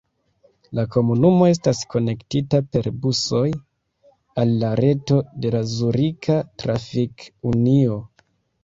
La komunumo estas konektita per busoj al la reto de la Zurika Trafik-Unio.